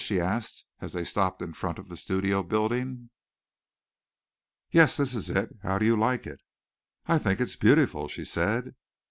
she asked, as they stopped in front of the studio building. "Yes, this is it. How do you like it?" "I think it's beautiful," she said.